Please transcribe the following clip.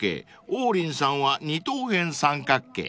［王林さんは二等辺三角形］